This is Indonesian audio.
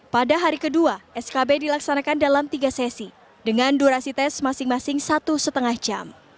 pada hari kedua skb dilaksanakan dalam tiga sesi dengan durasi tes masing masing satu lima jam